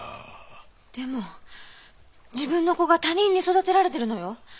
でも自分の子が他人に育てられてるのよ。